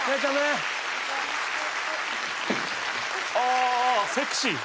あセクシー。